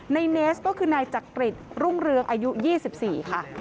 ในเนสก็คือนายจักริจรุ่งเรืองอายุ๒๔ค่ะ